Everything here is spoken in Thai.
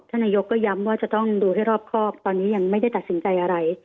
นายกก็ย้ำว่าจะต้องดูให้รอบครอบตอนนี้ยังไม่ได้ตัดสินใจอะไร